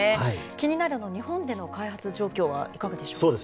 気になる日本での開発状況はいかがですか？